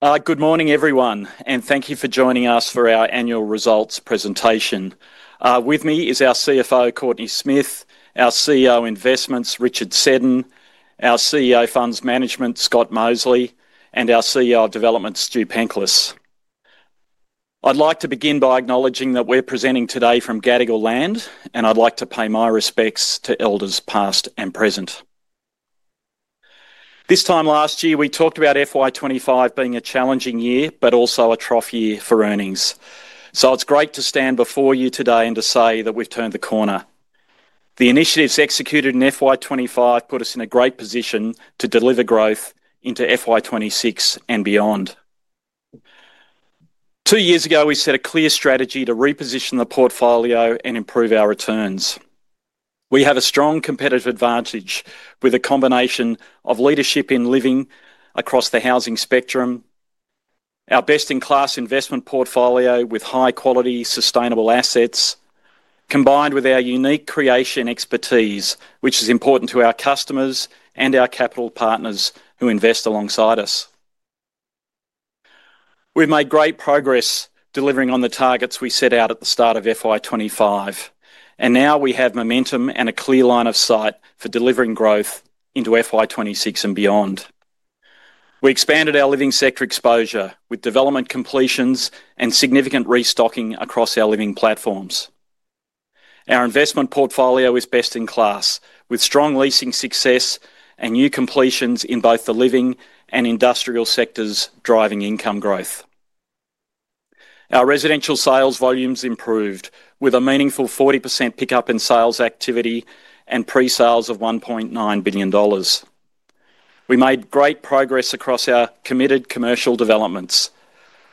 Good morning, everyone, and thank you for joining us for our annual results presentation. With me is our CFO, Courtenay Smith, our CEO of Investments, Richard Seddon, our CEO of Funds Management, Scott Mosely, and our CEO of Development, Stuart Penklis. I'd like to begin by acknowledging that we're presenting today from Gadigal Land, and I'd like to pay my respects to elders past and present. This time last year, we talked about FY2025 being a challenging year, but also a trophy year for earnings. It's great to stand before you today and to say that we've turned the corner. The initiatives executed in FY2025 put us in a great position to deliver growth into FY2026 and beyond. Two years ago, we set a clear strategy to reposition the portfolio and improve our returns. We have a strong competitive advantage with a combination of leadership in living across the housing spectrum, our best-in-class investment portfolio with high-quality sustainable assets, combined with our unique creation expertise, which is important to our customers and our capital partners who invest alongside us. We've made great progress delivering on the targets we set out at the start of FY2025, and now we have momentum and a clear line of sight for delivering growth into FY2026 and beyond. We expanded our living sector exposure with development completions and significant restocking across our living platforms. Our investment portfolio is best-in-class, with strong leasing success and new completions in both the living and industrial sectors driving income growth. Our residential sales volumes improved with a meaningful 40% pickup in sales activity and pre-sales of $1.9 billion. We made great progress across our committed commercial developments.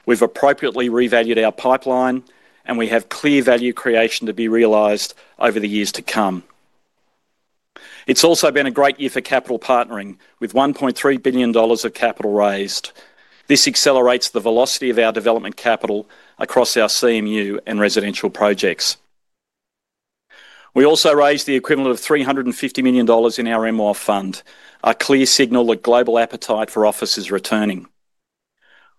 We've appropriately revalued our pipeline, and we have clear value creation to be realized over the years to come. It's also been a great year for capital partnering, with $1.3 billion of capital raised. This accelerates the velocity of our development capital across our CMU and residential projects. We also raised the equivalent of $350 million in our MR Fund, a clear signal that global appetite for office is returning.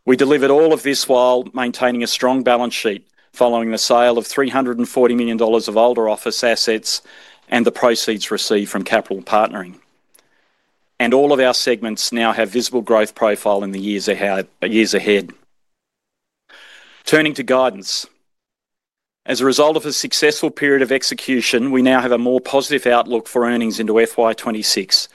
We delivered all of this while maintaining a strong balance sheet following the sale of $340 million of older office assets and the proceeds received from capital partnering. All of our segments now have visible growth profile in the years ahead. Turning to guidance, as a result of a successful period of execution, we now have a more positive outlook for earnings into FY2026,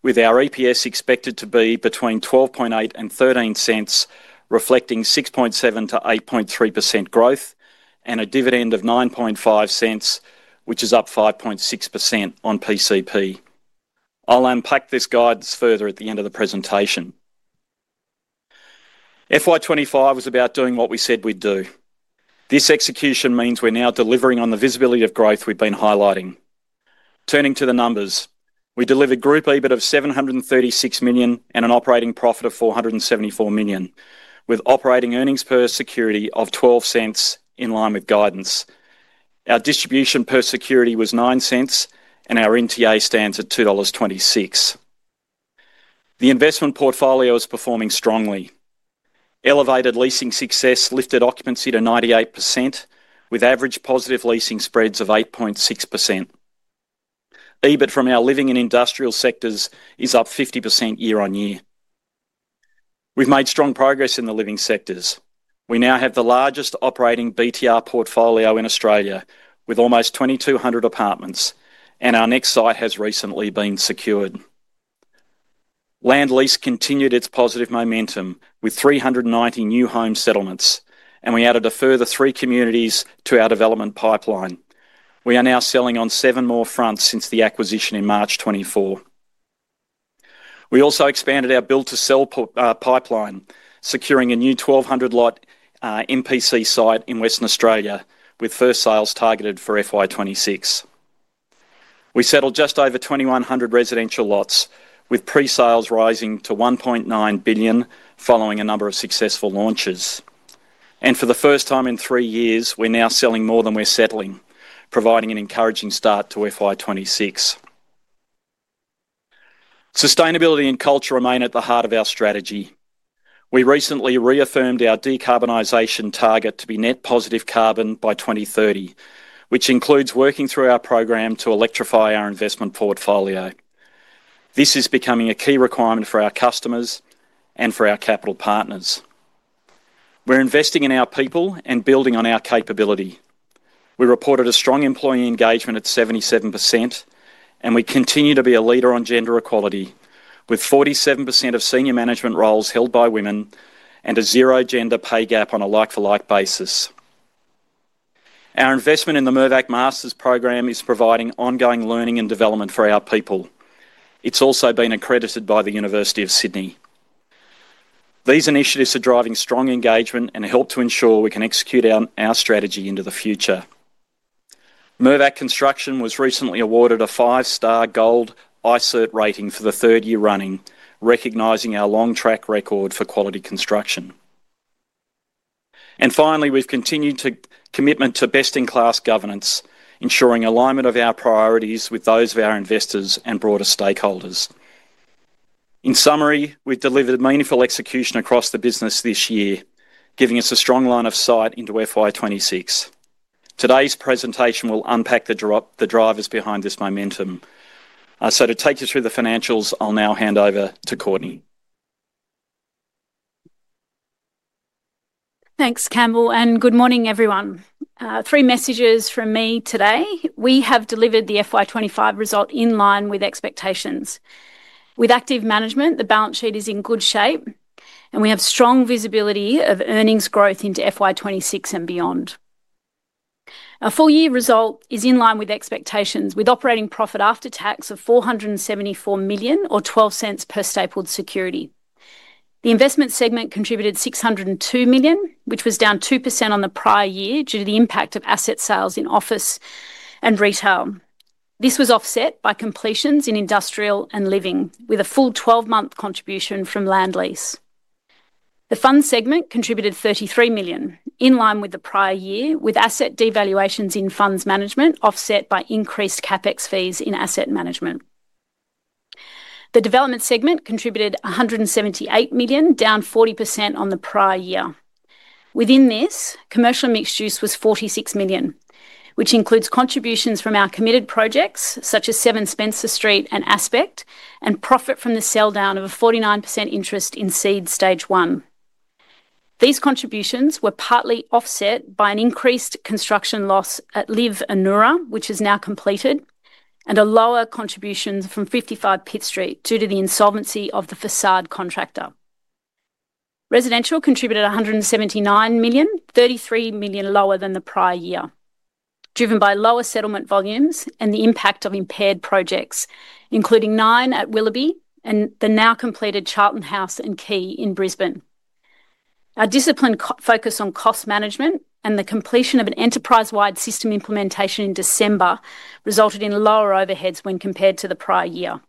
with our EPS expected to be between $0.128 and $0.13, reflecting 6.7%-8.3% growth and a dividend of $0.95, which is up 5.6% on PCP. I'll unpack this guidance further at the end of the presentation. FY2025 was about doing what we said we'd do. This execution means we're now delivering on the visibility of growth we've been highlighting. Turning to the numbers, we delivered a group EBIT of $736 million and an operating profit of $474 million, with operating earnings per security of $0.12 in line with guidance. Our distribution per security was $0.09, and our NTA stands at $2.26. The investment portfolio is performing strongly. Elevated leasing success lifted occupancy to 98%, with average positive leasing spreads of 8.6%. EBIT from our living and industrial sectors is up 50% year on year. We've made strong progress in the living sectors. We now have the largest operating BTR portfolio in Australia, with almost 2,200 apartments, and our next site has recently been secured. Land lease continued its positive momentum with 390 new home settlements, and we added a further three communities to our development pipeline. We are now selling on seven more fronts since the acquisition in March 2024. We also expanded our build-to-sell pipeline, securing a new 1,200-lot MPC site in Western Australia, with first sales targeted for FY2026. We settled just over 2,100 residential lots, with pre-sales rising to $1.9 billion following a number of successful launches. For the first time in three years, we're now selling more than we're settling, providing an encouraging start to FY2026. Sustainability and culture remain at the heart of our strategy. We recently reaffirmed our decarbonization target to be net positive carbon by 2030, which includes working through our program to electrify our investment portfolio. This is becoming a key requirement for our customers and for our capital partners. We're investing in our people and building on our capability. We reported a strong employee engagement at 77%, and we continue to be a leader on gender equality, with 47% of Senior Management roles held by women and a zero gender pay gap on a like-for-like basis. Our investment in the Mirvac Masters program is providing ongoing learning and development for our people. It's also been accredited by the University of Sydney. These initiatives are driving strong engagement and help to ensure we can execute our strategy into the future. Mirvac Construction was recently awarded a five-star gold iCIRT rating for the third year running, recognizing our long track record for quality construction. Finally, we've continued to commit to best-in-class governance, ensuring alignment of our priorities with those of our investors and broader stakeholders. In summary, we've delivered meaningful execution across the business this year, giving us a strong line of sight into FY2026. Today's presentation will unpack the drivers behind this momentum. To take you through the financials, I'll now hand over to Courtenay. Thanks, Campbell, and good morning, everyone. Three messages from me today. We have delivered the FY2025 result in line with expectations. With active management, the balance sheet is in good shape, and we have strong visibility of earnings growth into FY2026 and beyond. Our full-year result is in line with expectations, with operating profit after tax of $474 million, or $0.12 per stapled security. The investment segment contributed $602 million, which was down 2% on the prior year due to the impact of asset sales in office and retail. This was offset by completions in industrial and living, with a full 12-month contribution from land lease. The funds segment contributed $33 million, in line with the prior year, with asset devaluations in funds management offset by increased CapEx fees in asset management. The development segment contributed $178 million, down 40% on the prior year. Within this, commercial mixed-use was $46 million, which includes contributions from our committed projects, such as 7 Spencer Street and Aspect, and profit from the sell down of a 49% interest in SEED Stage 1. These contributions were partly offset by an increased construction loss at LIV Anura, which is now completed, and a lower contribution from 55 Pitt Street due to the insolvency of the facade contractor. Residential contributed $179 million, $33 million lower than the prior year, driven by lower settlement volumes and the impact of impaired projects, including nine at Willoughby and the now completed Charlton House and Quay in Brisbane. Our disciplined focus on cost management and the completion of an enterprise-wide system implementation in December resulted in lower overheads when compared to the prior year.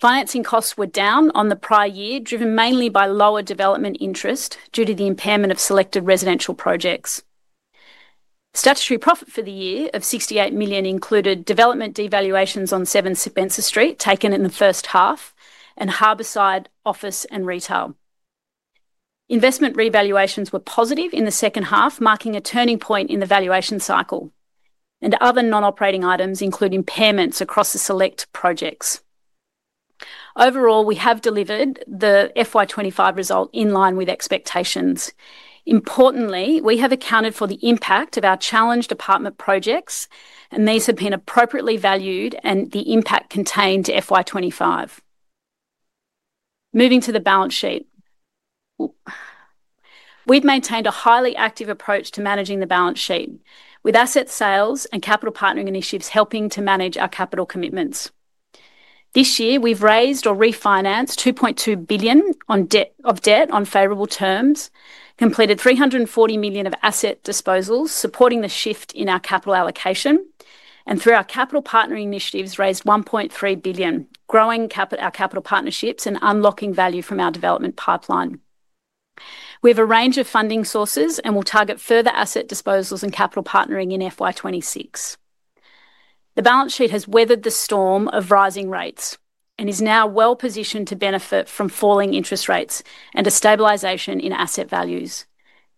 Financing costs were down on the prior year, driven mainly by lower development interest due to the impairment of selected residential projects. Statutory profit for the year of $68 million included development devaluations on 7 Spencer Street taken in the first half and Harbourside, office, and retail. Investment revaluations were positive in the second half, marking a turning point in the valuation cycle and other non-operating items, including payments across the select projects. Overall, we have delivered the FY2025 result in line with expectations. Importantly, we have accounted for the impact of our challenged apartment projects, and these have been appropriately valued and the impact contained to FY2025. Moving to the balance sheet, we've maintained a highly active approach to managing the balance sheet, with asset sales and capital partnering initiatives helping to manage our capital commitments. This year, we've raised or refinanced $2.2 billion of debt on favorable terms, completed $340 million of asset disposals, supporting the shift in our capital allocation, and through our capital partnering initiatives, raised $1.3 billion, growing our capital partnerships and unlocking value from our development pipeline. We have a range of funding sources and will target further asset disposals and capital partnering in FY2026. The balance sheet has weathered the storm of rising rates and is now well positioned to benefit from falling interest rates and a stabilization in asset values.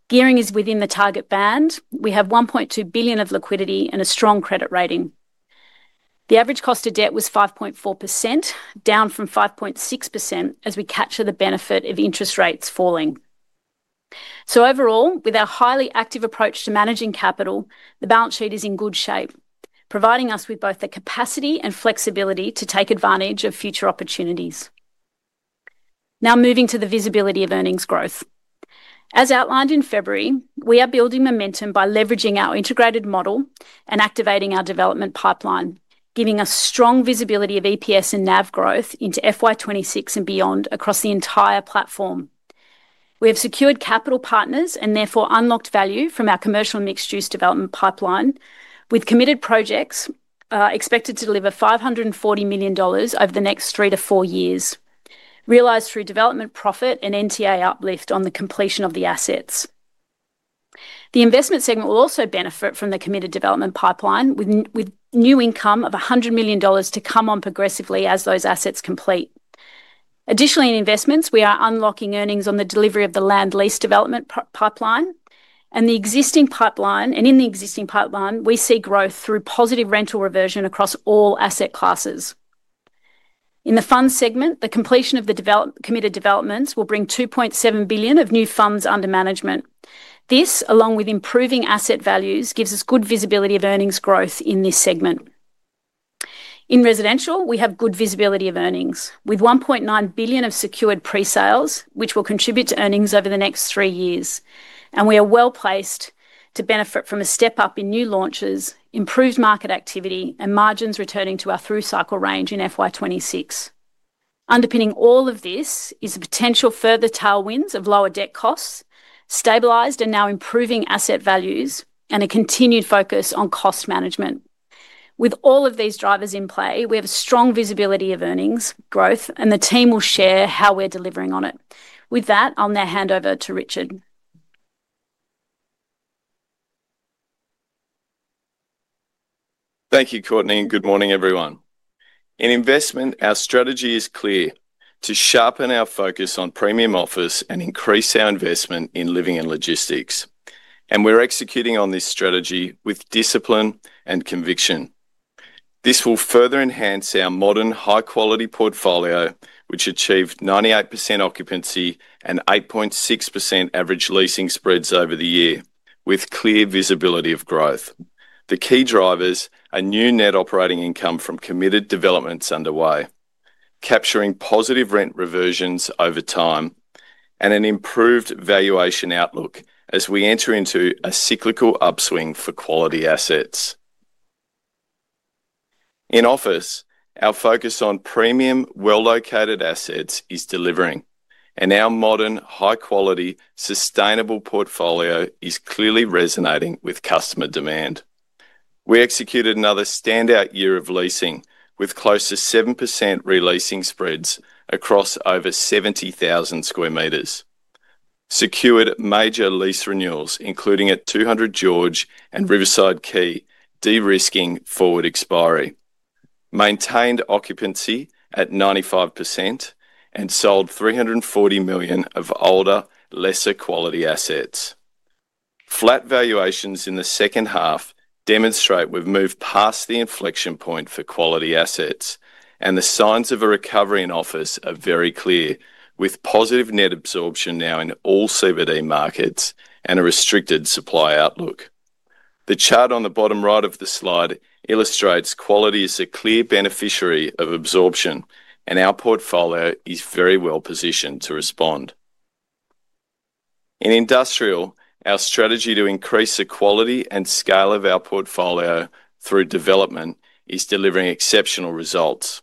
Gearing is within the target band. We have $1.2 billion of liquidity and a strong credit rating. The average cost of debt was 5.4%, down from 5.6% as we capture the benefit of interest rates falling. Overall, with our highly active approach to managing capital, the balance sheet is in good shape, providing us with both the capacity and flexibility to take advantage of future opportunities. Now, moving to the visibility of earnings growth. As outlined in February, we are building momentum by leveraging our integrated model and activating our development pipeline, giving us strong visibility of EPS and NAV growth into FY2026 and beyond across the entire platform. We have secured capital partners and therefore unlocked value from our commercial mixed-use development pipeline, with committed projects expected to deliver $540 million over the next three to four years, realized through development profit and NTA uplift on the completion of the assets. The investment segment will also benefit from the committed development pipeline, with new income of $100 million to come on progressively as those assets complete. Additionally, in investments, we are unlocking earnings on the delivery of the land lease development pipeline and the existing pipeline, and in the existing pipeline, we see growth through positive rental reversion across all asset classes. In the funds segment, the completion of the committed developments will bring $2.7 billion of new funds under management. This, along with improving asset values, gives us good visibility of earnings growth in this segment. In residential, we have good visibility of earnings, with $1.9 billion of secured pre-sales, which will contribute to earnings over the next three years, and we are well placed to benefit from a step up in new launches, improved market activity, and margins returning to our through cycle range in FY2026. Underpinning all of this is the potential further tailwinds of lower debt costs, stabilized and now improving asset values, and a continued focus on cost management. With all of these drivers in play, we have a strong visibility of earnings growth, and the team will share how we're delivering on it. With that, I'll now hand over to Richard. Thank you, Courtenay, and good morning, everyone. In investment, our strategy is clear to sharpen our focus on premium office and increase our investment in living and logistics, and we're executing on this strategy with discipline and conviction. This will further enhance our modern, high-quality portfolio, which achieved 98% occupancy and 8.6% average leasing spreads over the year, with clear visibility of growth. The key drivers are new net operating income from committed developments underway, capturing positive rent reversions over time, and an improved valuation outlook as we enter into a cyclical upswing for quality assets. In office, our focus on premium, well-located assets is delivering, and our modern, high-quality, sustainable portfolio is clearly resonating with customer demand. We executed another standout year of leasing, with close to 7% re-leasing spreads across over 70,000 square meters, secured major lease renewals, including at 200 George and Riverside Quay, de-risking forward expiry, maintained occupancy at 95%, and sold $340 million of older, lesser quality assets. Flat valuations in the second half demonstrate we've moved past the inflection point for quality assets, and the signs of a recovery in office are very clear, with positive net absorption now in all CBD markets and a restricted supply outlook. The chart on the bottom right of the slide illustrates quality as a clear beneficiary of absorption, and our portfolio is very well positioned to respond. In industrial, our strategy to increase the quality and scale of our portfolio through development is delivering exceptional results.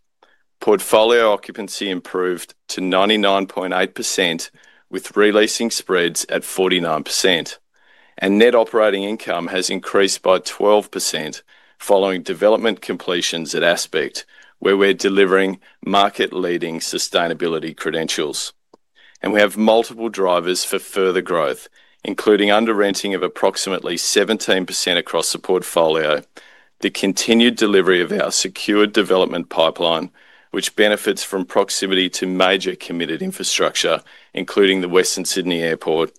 Portfolio occupancy improved to 99.8%, with re-leasing spreads at 49%, and net operating income has increased by 12% following development completions at Aspect, where we're delivering market-leading sustainability credentials. We have multiple drivers for further growth, including underrenting of approximately 17% across the portfolio, the continued delivery of our secured development pipeline, which benefits from proximity to major committed infrastructure, including the Western Sydney Airport,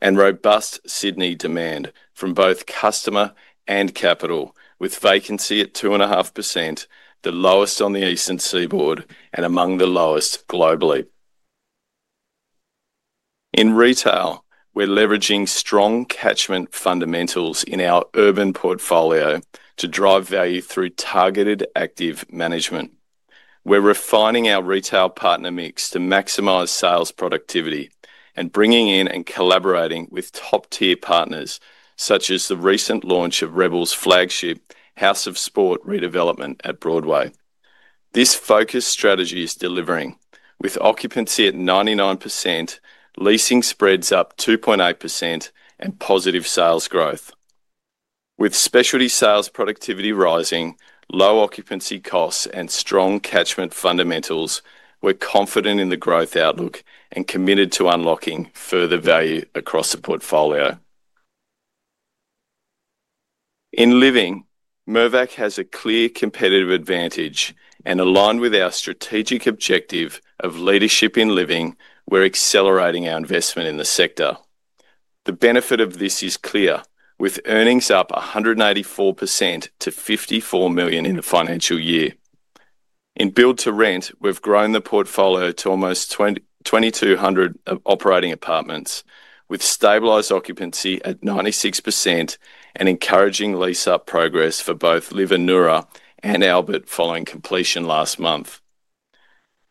and robust Sydney demand from both customer and capital, with vacancy at 2.5%, the lowest on the Eastern Seaboard and among the lowest globally. In retail, we're leveraging strong catchment fundamentals in our urban portfolio to drive value through targeted active management. We're refining our retail partner mix to maximize sales productivity and bringing in and collaborating with top-tier partners, such as the recent launch of Rebel's flagship House of Sport redevelopment at Broadway. This focused strategy is delivering, with occupancy at 99%, leasing spreads up 2.8%, and positive sales growth. With specialty sales productivity rising, low occupancy costs, and strong catchment fundamentals, we're confident in the growth outlook and committed to unlocking further value across the portfolio. In living, Mirvac has a clear competitive advantage, and aligned with our strategic objective of leadership in living, we're accelerating our investment in the sector. The benefit of this is clear, with earnings up 184% to $54 million in the financial year. In build-to-rent, we've grown the portfolio to almost 2,200 operating apartments, with stabilized occupancy at 96% and encouraging lease-up progress for both LIV Anura and Albert following completion last month.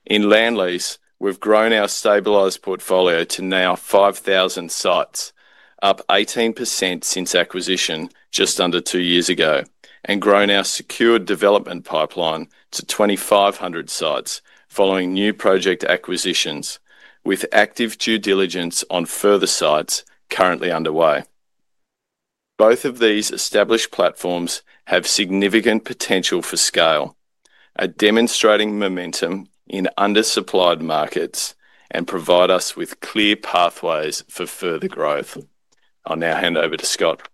In land lease, we've grown our stabilized portfolio to now 5,000 sites, up 18% since acquisition just under two years ago, and grown our secured development pipeline to 2,500 sites following new project acquisitions, with active due diligence on further sites currently underway. Both of these established platforms have significant potential for scale, are demonstrating momentum in undersupplied markets, and provide us with clear pathways for further growth. I'll now hand over to Scott.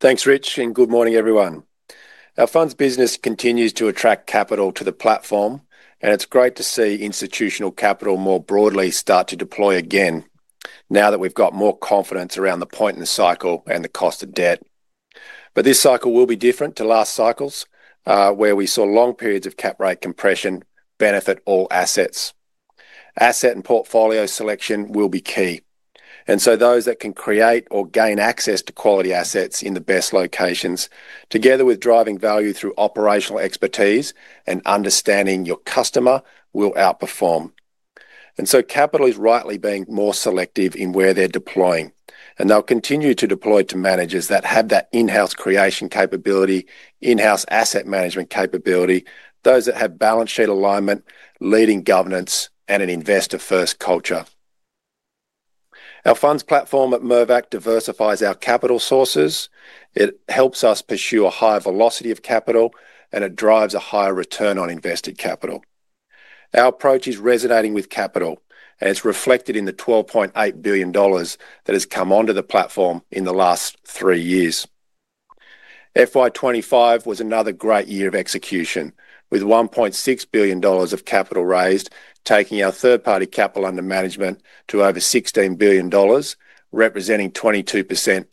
Thanks, Rich, and good morning, everyone. Our funds business continues to attract capital to the platform, and it's great to see institutional capital more broadly start to deploy again, now that we've got more confidence around the point in the cycle and the cost of debt. This cycle will be different to last cycles, where we saw long periods of cap rate compression benefit all assets. Asset and portfolio selection will be key, so those that can create or gain access to quality assets in the best locations, together with driving value through operational expertise and understanding your customer, will outperform. Capital is rightly being more selective in where they're deploying, and they'll continue to deploy to managers that have that in-house creation capability, in-house asset management capability, those that have balance sheet alignment, leading governance, and an investor-first culture. Our funds platform at Mirvac diversifies our capital sources. It helps us pursue a higher velocity of capital, and it drives a higher return on invested capital. Our approach is resonating with capital, and it's reflected in the $12.8 billion that has come onto the platform in the last three years. FY2025 was another great year of execution, with $1.6 billion of capital raised, taking our third-party capital under management to over $16 billion, representing 22%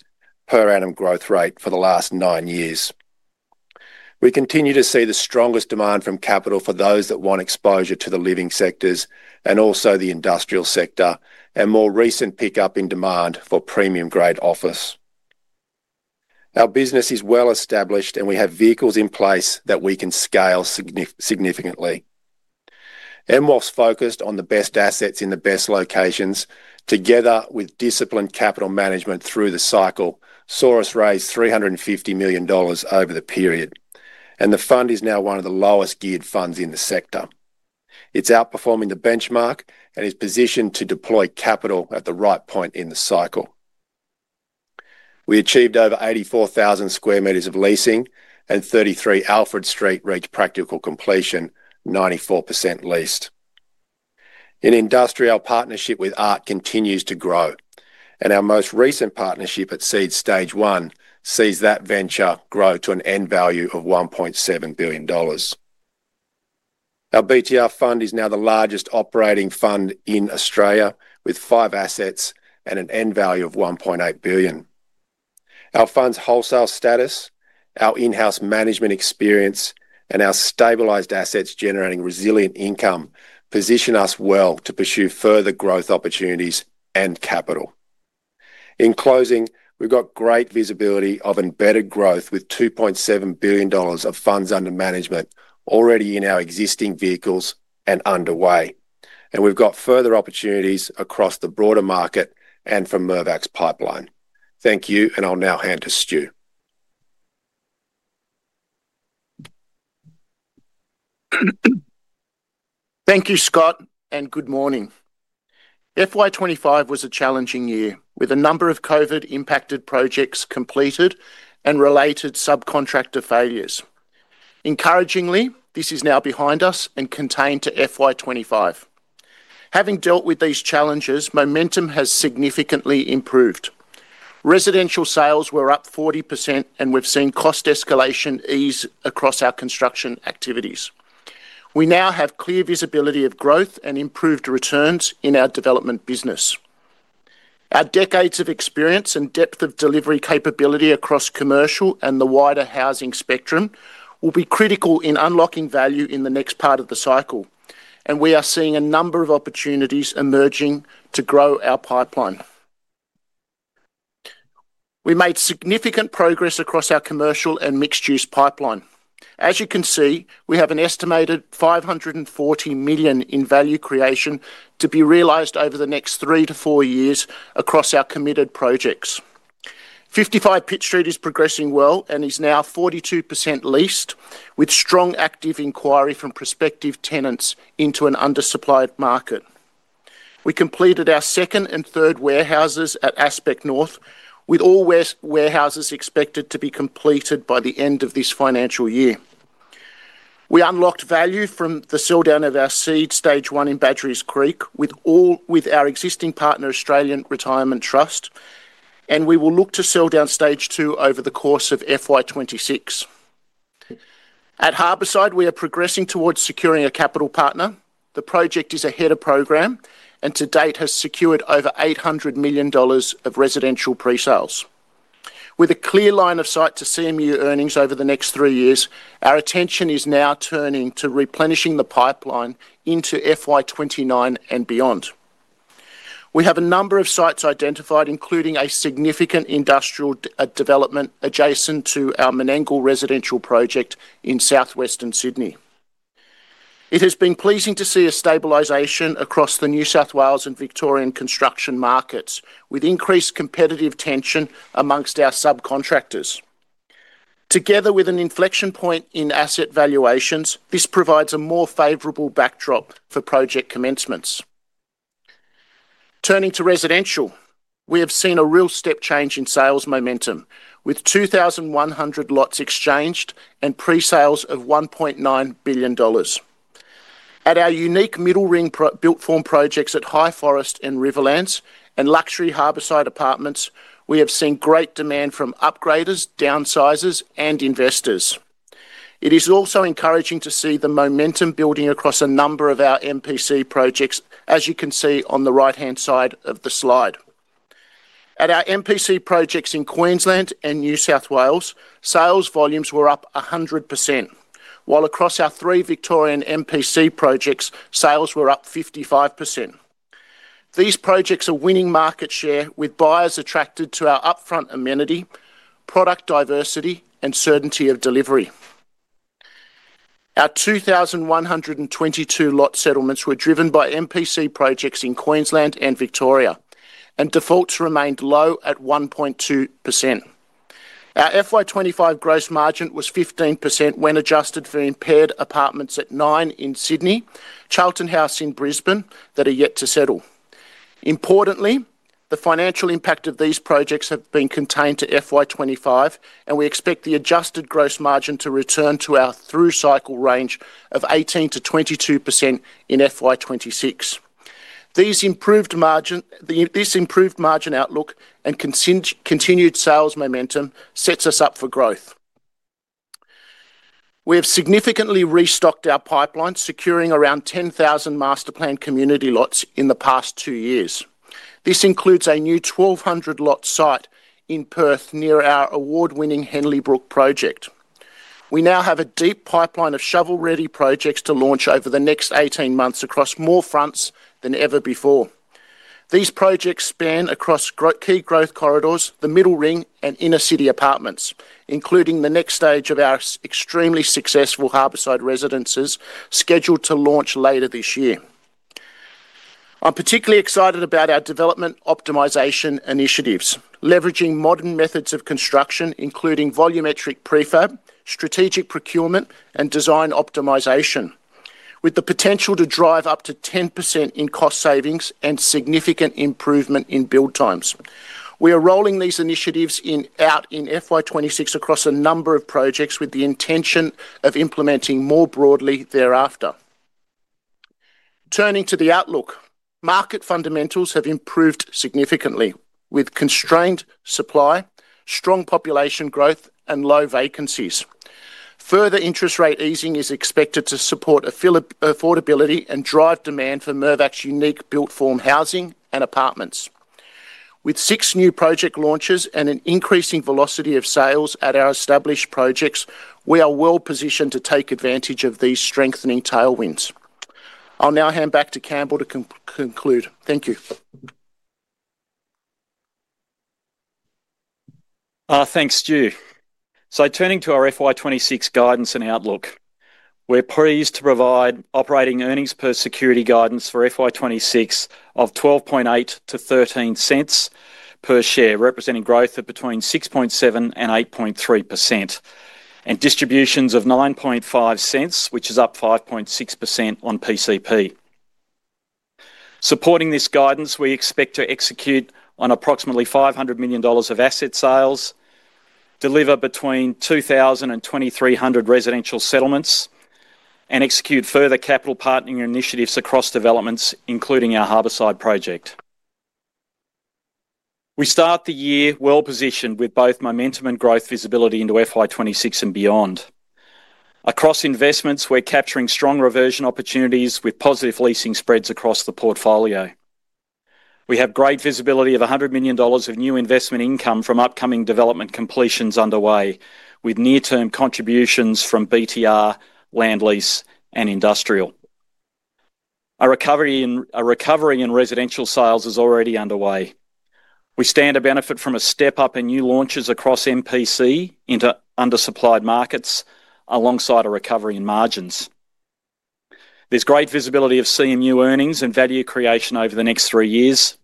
per annum growth rate for the last nine years. We continue to see the strongest demand from capital for those that want exposure to the living sectors and also the industrial sector, and more recent pickup in demand for premium-grade office. Our business is well established, and we have vehicles in place that we can scale significantly. Mirvac Group's focus on the best assets in the best locations, together with disciplined capital management through the cycle, saw us raise $350 million over the period, and the fund is now one of the lowest-geared funds in the sector. It's outperforming the benchmark and is positioned to deploy capital at the right point in the cycle. We achieved over 84,000 square meters of leasing, and 33 Alfred Street reached practical completion, 94% leased. In industrial, our partnership with ART continues to grow, and our most recent partnership at SEED Stage 1 sees that venture grow to an end value of $1.7 billion. Our BTR fund is now the largest operating fund in Australia, with five assets and an end value of $1.8 billion. Our fund's wholesale status, our in-house management experience, and our stabilized assets generating resilient income position us well to pursue further growth opportunities and capital. In closing, we've got great visibility of embedded growth with $2.7 billion of funds under management already in our existing vehicles and underway, and we've got further opportunities across the broader market and from Mirvac's pipeline. Thank you, and I'll now hand to Stu. Thank you, Scott, and good morning. FY2025 was a challenging year, with a number of COVID-impacted projects completed and related subcontractor failures. Encouragingly, this is now behind us and contained to FY2025. Having dealt with these challenges, momentum has significantly improved. Residential sales were up 40%, and we've seen cost escalation ease across our construction activities. We now have clear visibility of growth and improved returns in our development business. Our decades of experience and depth of delivery capability across commercial and the wider housing spectrum will be critical in unlocking value in the next part of the cycle, and we are seeing a number of opportunities emerging to grow our pipeline. We made significant progress across our commercial and mixed-use pipeline. As you can see, we have an estimated $540 million in value creation to be realized over the next three to four years across our committed projects. 55 Pitt Street is progressing well and is now 42% leased, with strong active inquiry from prospective tenants into an undersupplied market. We completed our second and third warehouses at Aspect North, with all warehouses expected to be completed by the end of this financial year. We unlocked value from the sell down of our SEED Stage 1 in Badgerys Creek with our existing partner, Australian Retirement Trust, and we will look to sell down Stage 2 over the course of FY2026. At Harbourside, we are progressing towards securing a capital partner. The project is ahead of program and to date has secured over $800 million of residential pre-sales. With a clear line of sight to CMU earnings over the next three years, our attention is now turning to replenishing the pipeline into FY29 and beyond. We have a number of sites identified, including a significant industrial development adjacent to our Menangle residential project in southwestern Sydney. It has been pleasing to see a stabilization across the New South Wales and Victorian construction markets, with increased competitive tension amongst our subcontractors. Together with an inflection point in asset valuations, this provides a more favorable backdrop for project commencements. Turning to residential, we have seen a real step change in sales momentum, with 2,100 lots exchanged and pre-sales of $1.9 billion. At our unique middle ring built form projects at Highforest and Riverlands and luxury Harbourside Residences apartments, we have seen great demand from upgraders, downsizers, and investors. It is also encouraging to see the momentum building across a number of our MPC projects, as you can see on the right-hand side of the slide. At our MPC projects in Queensland and New South Wales, sales volumes were up 100%, while across our three Victorian MPC projects, sales were up 55%. These projects are winning market share with buyers attracted to our upfront amenity, product diversity, and certainty of delivery. Our 2,122 lot settlements were driven by MPC projects in Queensland and Victoria, and defaults remained low at 1.2%. Our FY2025 gross margin was 15% when adjusted for impaired apartments at 9 in Sydney, Charlton House in Brisbane that are yet to settle. Importantly, the financial impact of these projects has been contained to FY2025, and we expect the adjusted gross margin to return to our through cycle range of 18%-22% in FY2026. This improved margin outlook and continued sales momentum sets us up for growth. We have significantly restocked our pipeline, securing around 10,000 masterplan community lots in the past two years. This includes a new 1,200-lot site in Perth near our award-winning Henley Brook project. We now have a deep pipeline of shovel-ready projects to launch over the next 18 months across more fronts than ever before. These projects span across key growth corridors, the middle ring, and inner city apartments, including the next stage of our extremely successful Harbourside Residences scheduled to launch later this year. I'm particularly excited about our development optimization initiatives, leveraging modern methods of construction, including volumetric prefab, strategic procurement, and design optimization, with the potential to drive up to 10% in cost savings and significant improvement in build times. We are rolling these initiatives out in FY2026 across a number of projects with the intention of implementing more broadly thereafter. Turning to the outlook, market fundamentals have improved significantly, with constrained supply, strong population growth, and low vacancies. Further interest rate easing is expected to support affordability and drive demand for Mirvac's unique built form housing and apartments. With six new project launches and an increasing velocity of sales at our established projects, we are well positioned to take advantage of these strengthening tailwinds. I'll now hand back to Campbell to conclude. Thank you. Thanks, Stu. Turning to our FY2026 guidance and outlook, we're pleased to provide operating earnings per security guidance for FY2026 of $0.128-$0.13 per share, representing growth of between 6.7% and 8.3%, and distributions of $0.95, which is up 5.6% on PCP. Supporting this guidance, we expect to execute on approximately $500 million of asset sales, deliver between 2,000 and 2,300 residential settlements, and execute further capital partnering initiatives across developments, including our Harbourside project. We start the year well positioned with both momentum and growth visibility into FY2026 and beyond. Across investments, we're capturing strong reversion opportunities with positive leasing spreads across the portfolio. We have great visibility of $100 million of new investment income from upcoming development completions underway, with near-term contributions from BTR, land lease, and industrial. A recovery in residential sales is already underway. We stand to benefit from a step up in new launches across MPC into undersupplied markets, alongside a recovery in margins. There's great visibility of CMU earnings and value creation over the next three years,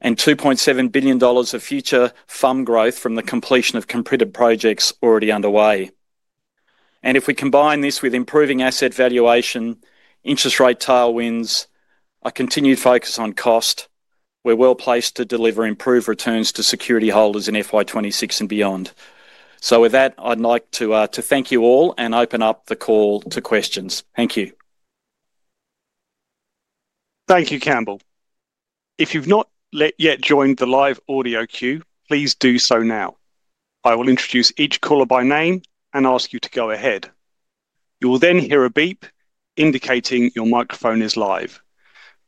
and $2.7 billion of future fund growth from the completion of committed projects already underway. If we combine this with improving asset valuation, interest rate tailwinds, and a continued focus on cost, we're well placed to deliver improved returns to security holders in FY2026 and beyond. I'd like to thank you all and open up the call to questions. Thank you. Thank you, Campbell. If you've not yet joined the live audio queue, please do so now. I will introduce each caller by name and ask you to go ahead. You will then hear a beep indicating your microphone is live.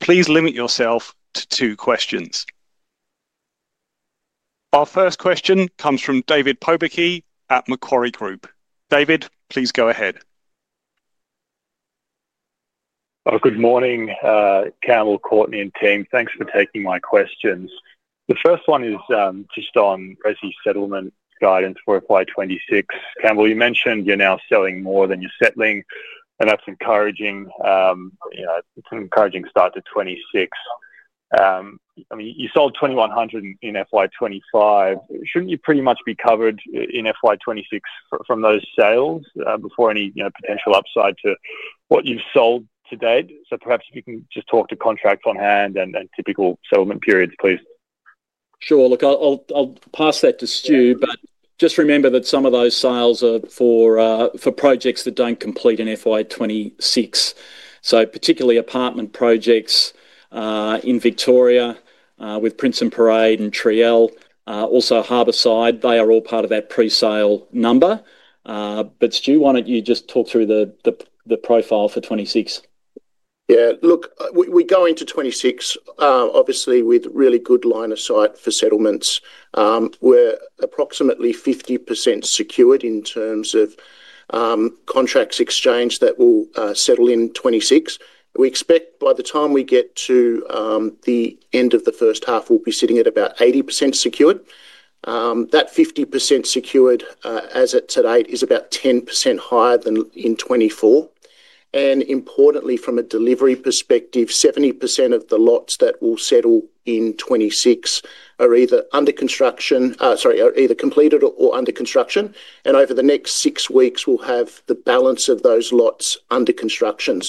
Please limit yourself to two questions. Our first question comes from David Pobucky at Macquarie Group. David, please go ahead. Good morning, Campbell, Courtenay, and team. Thanks for taking my questions. The first one is just on residency settlement guidance for FY2026. Campbell, you mentioned you're now selling more than you're settling, and that's encouraging. It's an encouraging start to 2026. I mean, you sold 2,100 in FY2025. Shouldn't you pretty much be covered in FY2026 from those sales before any potential upside to what you've sold to date? Perhaps if you can just talk to contracts on hand and typical settlement periods, please. Sure. Look, I'll pass that to Stu, but just remember that some of those sales are for projects that don't complete in FY2026. Particularly apartment projects in Victoria with Princeton Parade and Trielle, also Harbourside Residences, they are all part of that pre-sale number. Stu, why don't you just talk through the profile for 2026? Yeah, look, we're going to 2026, obviously with really good line of sight for settlements. We're approximately 50% secured in terms of contracts exchanged that will settle in 2026. We expect by the time we get to the end of the first half, we'll be sitting at about 80% secured. That 50% secured as of today is about 10% higher than in 2024. Importantly, from a delivery perspective, 70% of the lots that will settle in 2026 are either completed or under construction. Over the next six weeks, we'll have the balance of those lots under construction.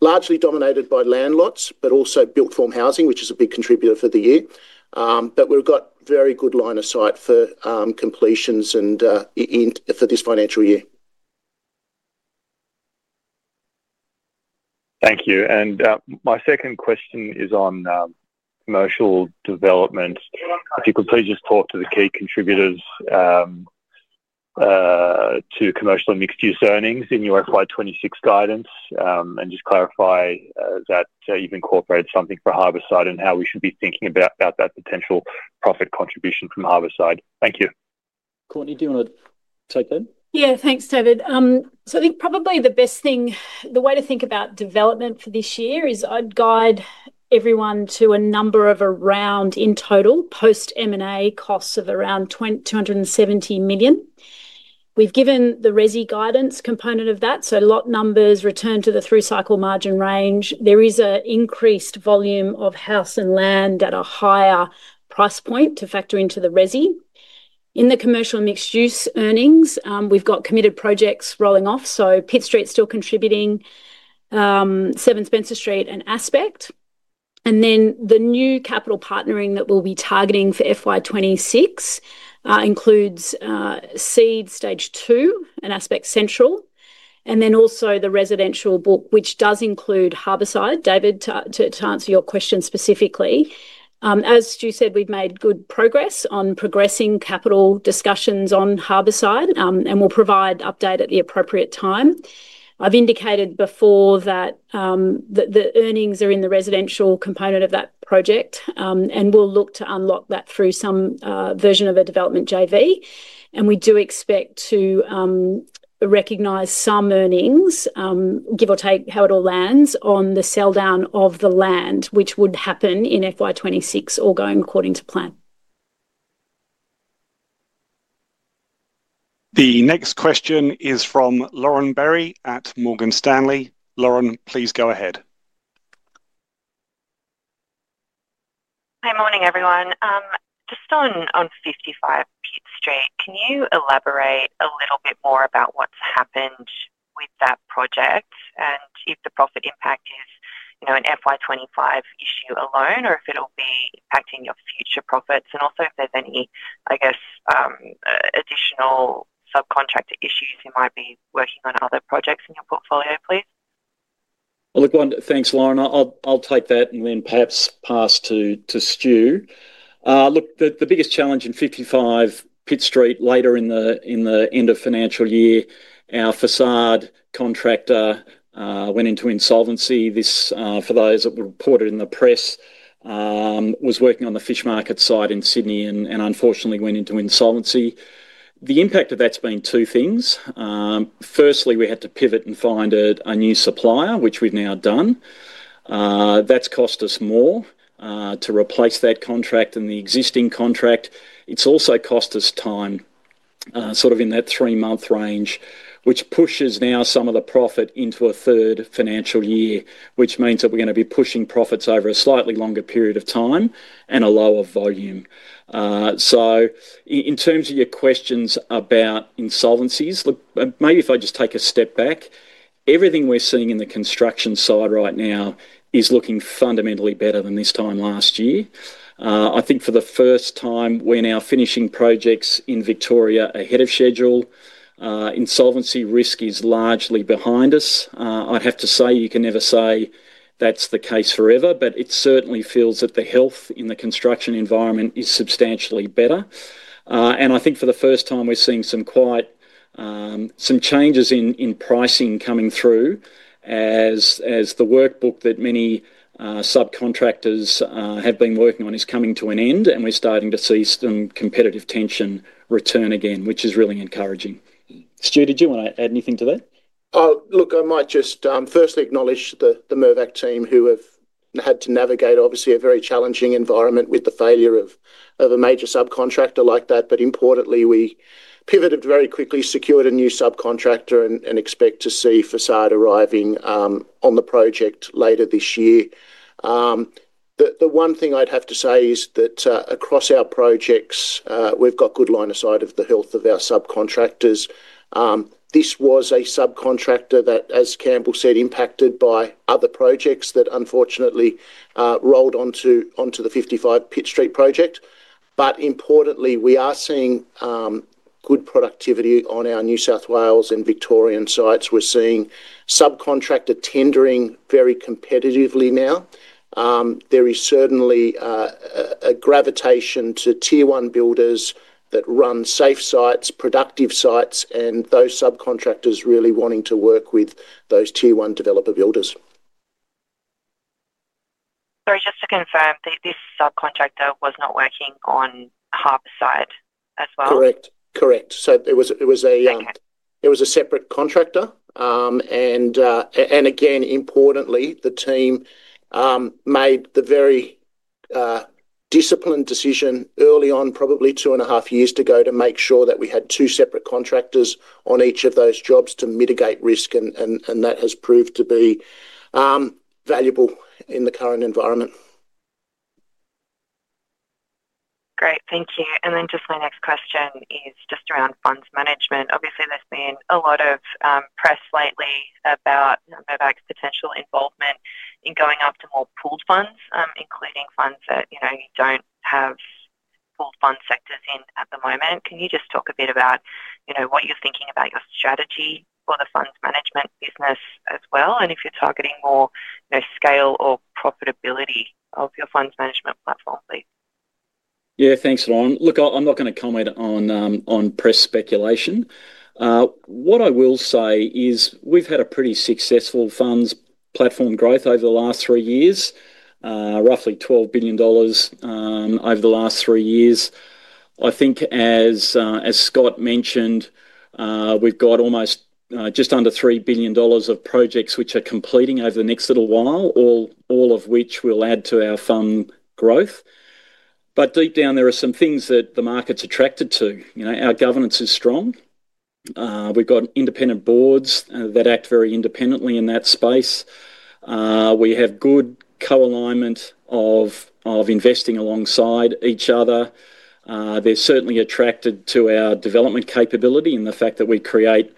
Largely dominated by land lots, but also built form housing, which is a big contributor for the year. We've got very good line of sight for completions and for this financial year. Thank you. My second question is on commercial development. If you could please just talk to the key contributors to commercial and mixed-use earnings in your FY2026 guidance and just clarify that you've incorporated something for Harbourside and how we should be thinking about that potential profit contribution from Harbourside. Thank you. Courtenay, do you want to take that? Yeah, thanks, David. I think probably the best thing, the way to think about development for this year is I'd guide everyone to a number of around in total post-M&A costs of around $270 million. We've given the resi guidance component of that, so lot numbers, return to the through cycle margin range. There is an increased volume of house and land at a higher price point to factor into the resi. In the commercial and mixed-use earnings, we've got committed projects rolling off. Pitt Street is still contributing, 7 Spencer Street and Aspect. The new capital partnering that we'll be targeting for FY2026 includes SEED Stage 2 and Aspect Central, and also the residential book, which does include Harbourside. David, to answer your question specifically, as Stu said, we've made good progress on progressing capital discussions on Harbourside, and we'll provide an update at the appropriate time. I've indicated before that the earnings are in the residential component of that project, and we'll look to unlock that through some version of a development JV. We do expect to recognize some earnings, give or take how it all lands, on the sell down of the land, which would happen in FY2026 or going according to plan. The next question is from Lauren Berry at Morgan Stanley. Lauren, please go ahead. Hey, good morning, everyone. Just on 55 Pitt Street, can you elaborate a little bit more about what's happened with that project and if the profit impact is an FY2025 issue alone or if it'll be impacting your future profits? Also, if there's any, I guess, additional subcontractor issues you might be working on other projects in your portfolio, please. Thanks, Lauren. I'll take that and then perhaps pass to Stu. The biggest challenge in 55 Pitt Street later in the end of the financial year, our facade contractor went into insolvency. This, for those that reported in the press, was working on the fish market site in Sydney and unfortunately went into insolvency. The impact of that's been two things. Firstly, we had to pivot and find a new supplier, which we've now done. That's cost us more to replace that contract and the existing contract. It's also cost us time, sort of in that three-month range, which pushes now some of the profit into a third financial year, which means that we're going to be pushing profits over a slightly longer period of time and a lower volume. In terms of your questions about insolvencies, maybe if I just take a step back, everything we're seeing in the construction side right now is looking fundamentally better than this time last year. I think for the first time, we're now finishing projects in Victoria ahead of schedule. Insolvency risk is largely behind us. I have to say, you can never say that's the case forever, but it certainly feels that the health in the construction environment is substantially better. I think for the first time, we're seeing some changes in pricing coming through as the workbook that many subcontractors have been working on is coming to an end, and we're starting to see some competitive tension return again, which is really encouraging. Stu, did you want to add anything to that? Look, I might just firstly acknowledge the Mirvac team who have had to navigate, obviously, a very challenging environment with the failure of a major subcontractor like that. Importantly, we pivoted very quickly, secured a new subcontractor, and expect to see facade arriving on the project later this year. The one thing I'd have to say is that across our projects, we've got good line of sight of the health of our subcontractors. This was a subcontractor that, as Campbell said, impacted by other projects that unfortunately rolled onto the 55 Pitt Street project. Importantly, we are seeing good productivity on our New South Wales and Victorian sites. We're seeing subcontractor tendering very competitively now. There is certainly a gravitation to tier one builders that run safe sites, productive sites, and those subcontractors really wanting to work with those tier one developer builders. Sorry, just to confirm, this subcontractor was not working on Harbourside Residences as well? Correct, correct. It was a separate contractor. Importantly, the team made the very disciplined decision early on, probably two and a half years ago, to make sure that we had two separate contractors on each of those jobs to mitigate risk, and that has proved to be valuable in the current environment. Great, thank you. My next question is just around funds management. Obviously, there's been a lot of press lately about Mirvac's potential involvement in going after more pooled funds, including funds that you don't have pooled fund sectors in at the moment. Can you just talk a bit about what you're thinking about your strategy for the funds management business as well, and if you're targeting more scale or profitability of your funds management platform, please? Yeah, thanks, Lauren. Look, I'm not going to comment on press speculation. What I will say is we've had a pretty successful funds management platform growth over the last three years, roughly $12 billion over the last three years. I think, as Scott mentioned, we've got almost just under $3 billion of projects which are completing over the next little while, all of which will add to our fund growth. Deep down, there are some things that the market's attracted to. Our governance is strong. We've got independent boards that act very independently in that space. We have good co-alignment of investing alongside each other. They're certainly attracted to our development capability and the fact that we create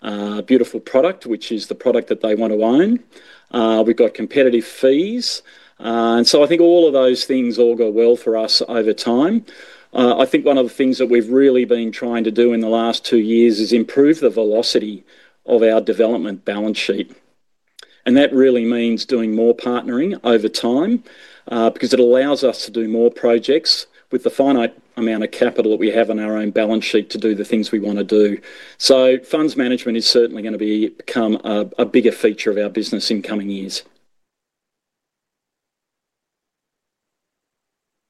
a beautiful product, which is the product that they want to own. We've got competitive fees. I think all of those things all go well for us over time. I think one of the things that we've really been trying to do in the last two years is improve the velocity of our development balance sheet. That really means doing more partnering over time because it allows us to do more projects with the finite amount of capital that we have on our own balance sheet to do the things we want to do. Funds management is certainly going to become a bigger feature of our business in coming years.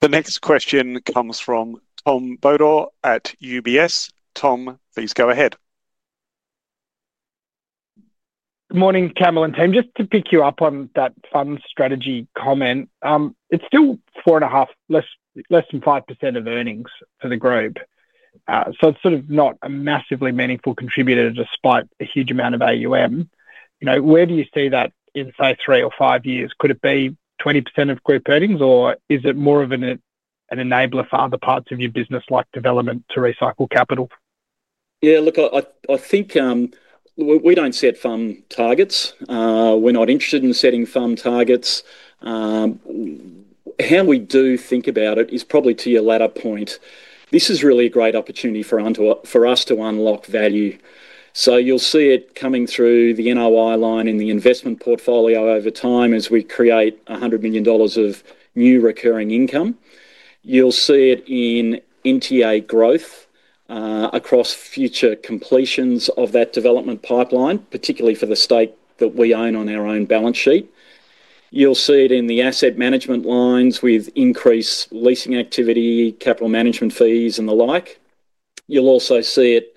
The next question comes from Tom Bodor at UBS. Tom, please go ahead. Morning, Campbell and team. Just to pick you up on that fund strategy comment, it's still 4.5%, less than 5% of earnings for the group. It's sort of not a massively meaningful contributor despite a huge amount of AUM. Where do you see that in, say, three or five years? Could it be 20% of group earnings, or is it more of an enabler for other parts of your business, like development, to recycle capital? Yeah, look, I think we don't set fund targets. We're not interested in setting fund targets. How we do think about it is probably to your latter point. This is really a great opportunity for us to unlock value. You'll see it coming through the NOI line in the investment portfolio over time as we create $100 million of new recurring income. You'll see it in NTA growth across future completions of that development pipeline, particularly for the stake that we own on our own balance sheet. You'll see it in the asset management lines with increased leasing activity, capital management fees, and the like. You'll also see it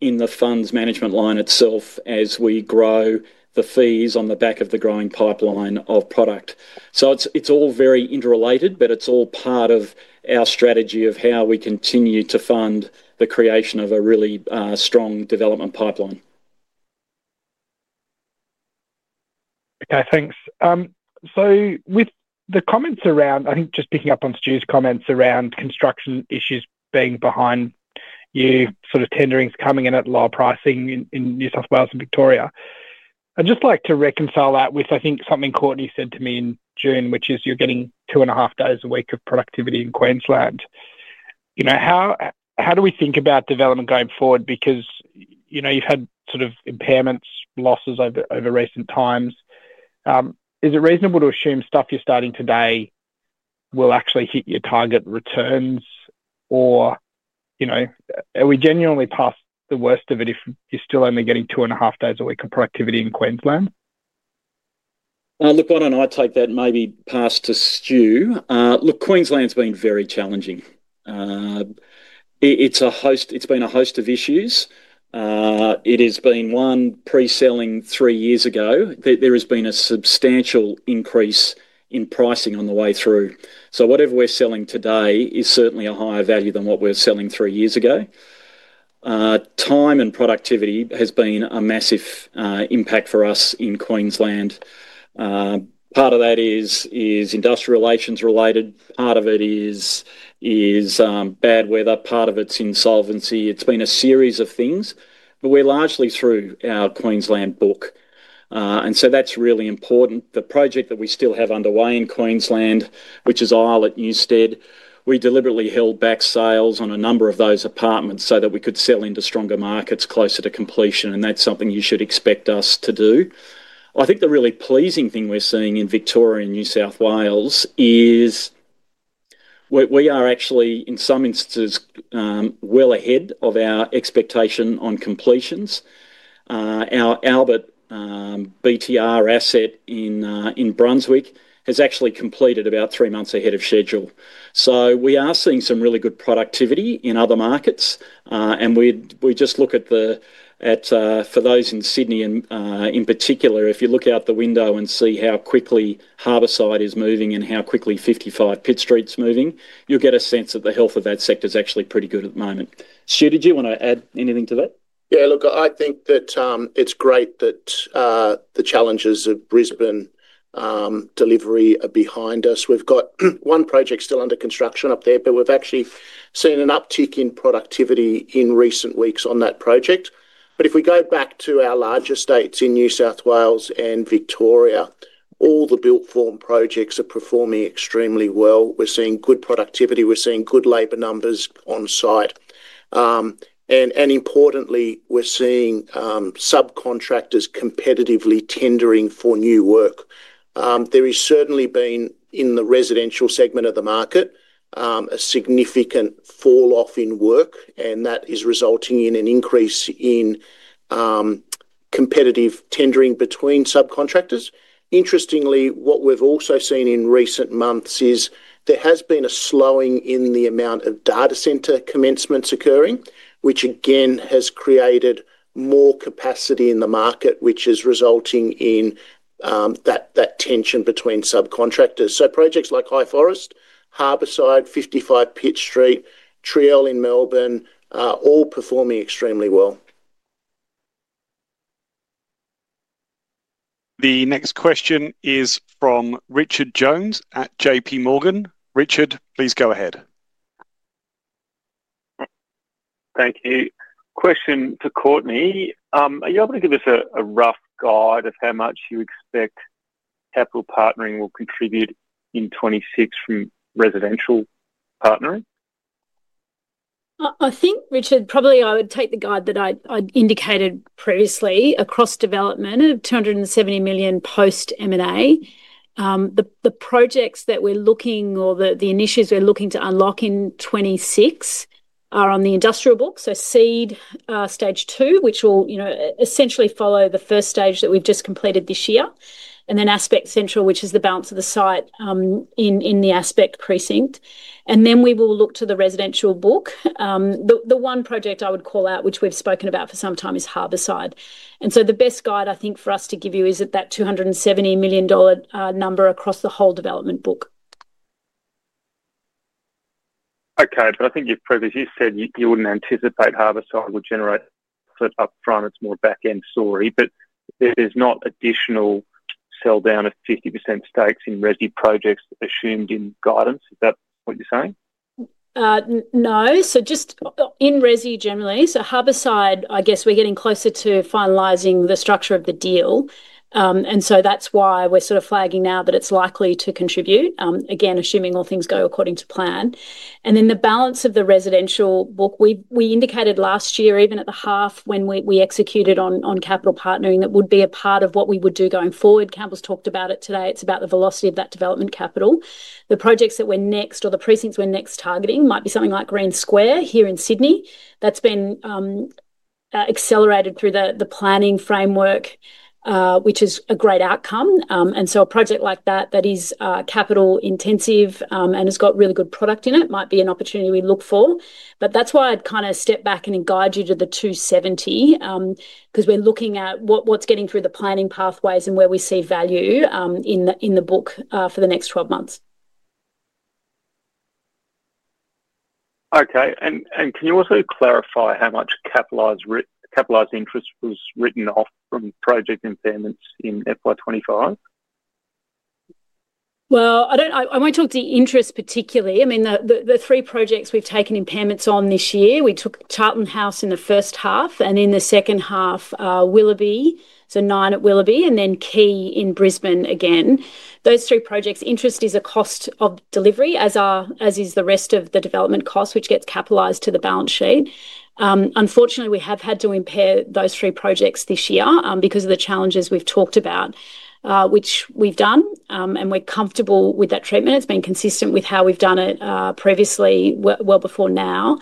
in the funds management line itself as we grow the fees on the back of the growing pipeline of product. It's all very interrelated, but it's all part of our strategy of how we continue to fund the creation of a really strong development pipeline. Okay, thanks. With the comments around, I think just picking up on Stu's comments around construction issues being behind you, tendering is coming in at lower pricing in New South Wales and Victoria. I'd just like to reconcile that with, I think, something Courtenay said to me in June, which is you're getting two and a half days a week of productivity in Queensland. How do we think about development going forward? You've had impairments, losses over recent times. Is it reasonable to assume stuff you're starting today will actually hit your target returns, or are we genuinely past the worst of it if you're still only getting two and a half days a week of productivity in Queensland? Look, I don't know. I'd take that, maybe pass to Stu. Queensland's been very challenging. It's been a host of issues. It has been one pre-selling three years ago. There has been a substantial increase in pricing on the way through. Whatever we're selling today is certainly a higher value than what we were selling three years ago. Time and productivity has been a massive impact for us in Queensland. Part of that is industrial relations related. Part of it is bad weather. Part of it's insolvency. It's been a series of things, but we're largely through our Queensland book, and that's really important. The project that we still have underway in Queensland, which is Isle at Eusted, we deliberately held back sales on a number of those apartments so that we could sell into stronger markets closer to completion, and that's something you should expect us to do. I think the really pleasing thing we're seeing in Victoria and New South Wales is we are actually, in some instances, well ahead of our expectation on completions. Our Albert BTR asset in Brunswick has actually completed about three months ahead of schedule. We are seeing some really good productivity in other markets, and for those in Sydney in particular, if you look out the window and see how quickly Harbourside Residences is moving and how quickly 55 Pitt Street's moving, you'll get a sense that the health of that sector is actually pretty good at the moment. Stu, did you want to add anything to that? Yeah, look, I think that it's great that the challenges of Brisbane delivery are behind us. We've got one project still under construction up there, but we've actually seen an uptick in productivity in recent weeks on that project. If we go back to our larger states in New South Wales and Victoria, all the built form projects are performing extremely well. We're seeing good productivity. We're seeing good labor numbers on site. Importantly, we're seeing subcontractors competitively tendering for new work. There has certainly been, in the residential segment of the market, a significant fall-off in work, and that is resulting in an increase in competitive tendering between subcontractors. Interestingly, what we've also seen in recent months is there has been a slowing in the amount of data center commencements occurring, which again has created more capacity in the market, which is resulting in that tension between subcontractors. Projects like Highforest, Harbourside Residences, 55 Pitt Street, and Trielle in Melbourne are all performing extremely well. The next question is from Richard Jones at JPMorgan. Richard, please go ahead. Thank you. Question to Courtenay. Are you able to give us a rough guide of how much you expect capital partnering will contribute in 2026 from residential partnering? I think, Richard, probably I would take the guide that I indicated previously across development of $270 million post-M&A. The projects that we're looking to unlock in 2026 are on the industrial book. SEED Stage 2 will essentially follow the first stage that we've just completed this year, and Aspect Central is the balance of the site in the Aspect precinct. We will look to the residential book. The one project I would call out, which we've spoken about for some time, is Harbourside. The best guide, I think, for us to give you is at that $270 million number across the whole development book. Okay, I think you've previously said you wouldn't anticipate Harbourside Residences would generate upfront. It's more backend, sorry. There's not additional sell down of 50% stakes in resi projects assumed in guidance. Is that what you're saying? No. Just in resi generally, Harbourside, I guess we're getting closer to finalizing the structure of the deal. That's why we're sort of flagging now that it's likely to contribute, again, assuming all things go according to plan. The balance of the residential book, we indicated last year, even at the half when we executed on capital partnering, that would be a part of what we would do going forward. Campbell's talked about it today. It's about the velocity of that development capital. The projects that we're next or the precincts we're next targeting might be something like Grand Square here in Sydney. That has been accelerated through the planning framework, which is a great outcome. A project like that that is capital intensive and has got really good product in it might be an opportunity we look for. That's why I'd kind of step back and guide you to the $270 million because we're looking at what's getting through the planning pathways and where we see value in the book for the next 12 months. Okay. Can you also clarify how much capitalized interest was written off from project impairments in FY2025? I won't talk to interest particularly. The three projects we've taken impairments on this year, we took Charlton House in the first half and in the second half, Willoughby, so nine at Willoughby, and then Quay in Brisbane again. Those three projects, interest is a cost of delivery, as is the rest of the development cost, which gets capitalized to the balance sheet. Unfortunately, we have had to impair those three projects this year because of the challenges we've talked about, which we've done, and we're comfortable with that treatment. It's been consistent with how we've done it previously, well before now.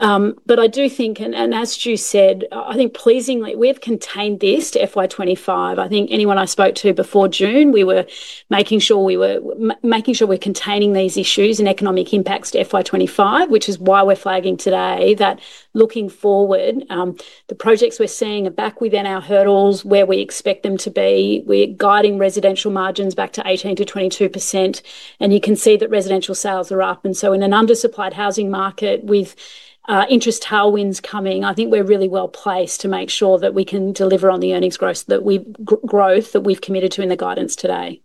I do think, and as Stu said, I think pleasingly, we have contained this to FY2025. I think anyone I spoke to before June, we were making sure we were containing these issues and economic impacts to FY2025, which is why we're flagging today that looking forward, the projects we're seeing are back within our hurdles where we expect them to be. We're guiding residential margins back to 18%-22%, and you can see that residential sales are up. In an undersupplied housing market with interest tailwinds coming, I think we're really well placed to make sure that we can deliver on the earnings growth that we've committed to in the guidance today.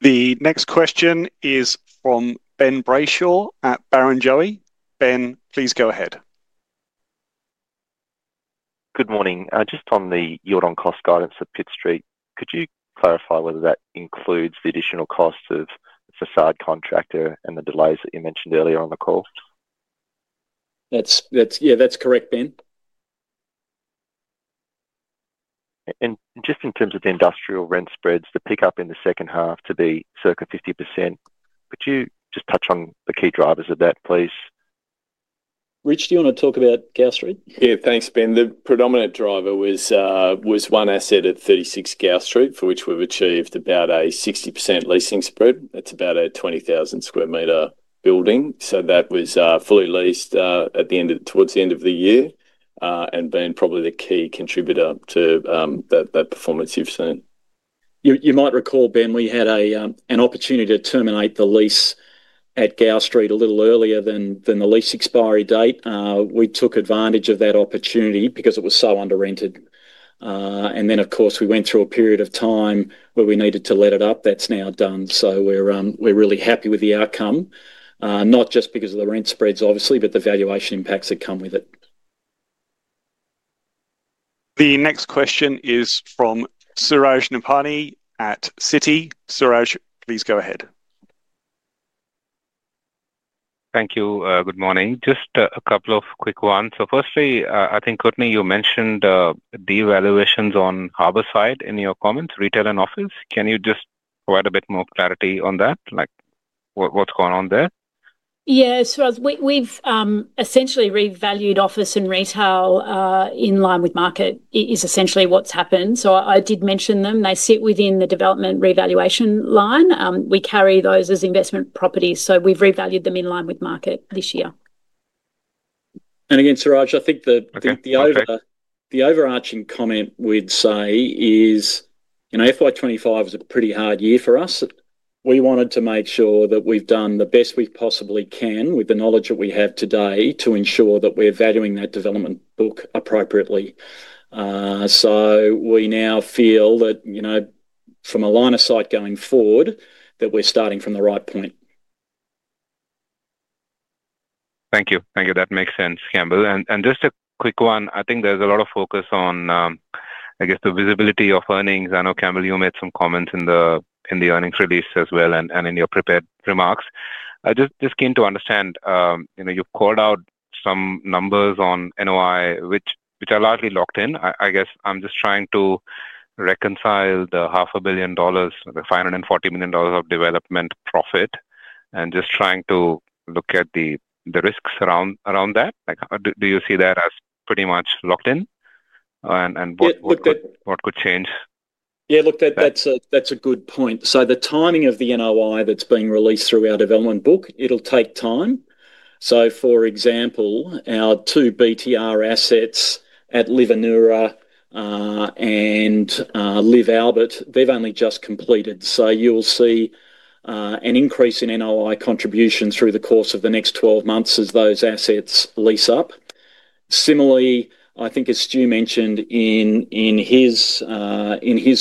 The next question is from Ben Brayshaw at Jarden. Ben, please go ahead. Good morning. Just on the yield on cost guidance for 55 Pitt Street, could you clarify whether that includes the additional cost of the facade contractor and the delays that you mentioned earlier on the call? Yeah, that's correct, Ben. In terms of the industrial rent spreads, the pickup in the second half to be circa 50%, could you just touch on the key drivers of that, please? Rich, do you want to talk about Gow Street? Yeah, thanks, Ben. The predominant driver was one asset at 36 Gow Street, for which we've achieved about a 60% leasing spread. That's about a 20,000 square meter building. That was fully leased towards the end of the year, and Ben, probably the key contributor to that performance you've seen. You might recall, Ben, we had an opportunity to terminate the lease at Gow Street a little earlier than the lease expiry date. We took advantage of that opportunity because it was so under-rented. We went through a period of time where we needed to let it up. That's now done. We're really happy with the outcome, not just because of the rent spreads, obviously, but the valuation impacts that come with it. The next question is from Suraj Nebhani at Citi. Suraj, please go ahead. Thank you. Good morning. Just a couple of quick ones. Firstly, I think, Courtenay, you mentioned devaluations on Harbourside in your comments, retail and office. Can you just provide a bit more clarity on that? What's going on there? Yeah, Suraj, we've essentially revalued office and retail in line with market, is essentially what's happened. I did mention them. They sit within the development revaluation line. We carry those as investment properties, so we've revalued them in line with market this year. Suresh, I think the overarching comment we'd say is, you know, FY2025 was a pretty hard year for us. We wanted to make sure that we've done the best we possibly can with the knowledge that we have today to ensure that we're valuing that development book appropriately. We now feel that, you know, from a line of sight going forward, we're starting from the right point. Thank you. Thank you. That makes sense, Campbell. Just a quick one, I think there's a lot of focus on, I guess, the visibility of earnings. I know, Campbell, you made some comments in the earnings release as well and in your prepared remarks. I'm just keen to understand, you called out some numbers on NOI, which are largely locked in. I guess I'm just trying to reconcile the half a billion dollars, the $540 million of development profit, and just trying to look at the risks around that. Do you see that as pretty much locked in and what could change? Yeah, look, that's a good point. The timing of the NOI that's being released through our development book, it'll take time. For example, our two BTR assets at LIV Anura and LIV Albert, they've only just completed. You'll see an increase in NOI contributions through the course of the next 12 months as those assets lease up. Similarly, I think, as Stu mentioned in his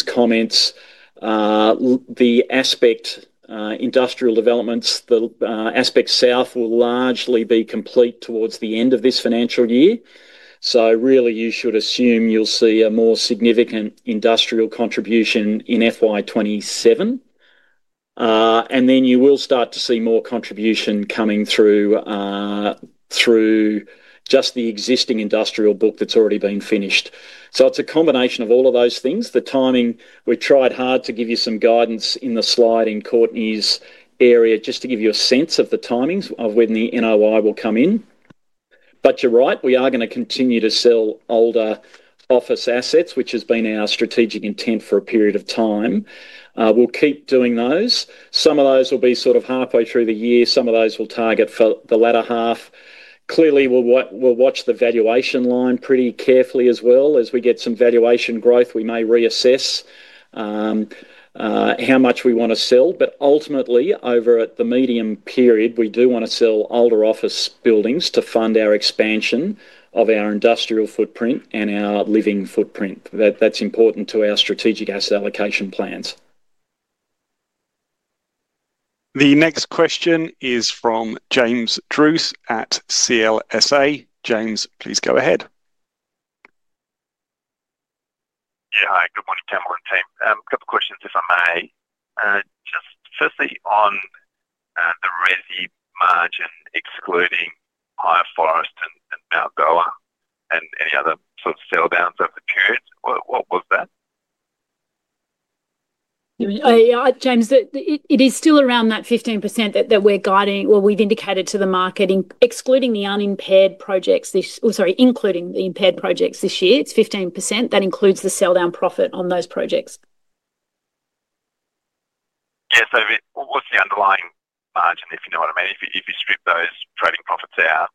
comments, the Aspect industrial developments, the Aspect South, will largely be complete towards the end of this financial year. You should assume you'll see a more significant industrial contribution in FY2027. You will start to see more contribution coming through just the existing industrial book that's already been finished. It's a combination of all of those things. The timing, we tried hard to give you some guidance in the slide in Courtenay's area just to give you a sense of the timings of when the NOI will come in. You're right, we are going to continue to sell older office assets, which has been our strategic intent for a period of time. We'll keep doing those. Some of those will be sort of halfway through the year. Some of those we'll target for the latter half. Clearly, we'll watch the valuation line pretty carefully as well. As we get some valuation growth, we may reassess how much we want to sell. Ultimately, over the medium period, we do want to sell older office buildings to fund our expansion of our industrial footprint and our living footprint. That's important to our strategic asset allocation plans. The next question is from James Druce at CLSA. James, please go ahead. Yeah, hi. Good morning, Campbell and team. A couple of questions, if I may. Just firstly, on the resi margin excluding Highforest and Malgoa, and any other sort of sell downs that have occurred, what was that? James, it is still around that 15% that we're guiding, or we've indicated to the market, excluding the unimpaired projects, sorry, including the impaired projects this year. It's 15%. That includes the sell down profit on those projects. Yeah, what's the underlying margin if you know what I mean? If you strip those trading profits out,